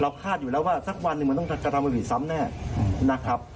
คาดอยู่แล้วว่าสักวันหนึ่งมันต้องกระทำความผิดซ้ำแน่นะครับ